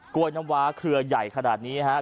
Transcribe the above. วยน้ำว้าเครือใหญ่ขนาดนี้ครับ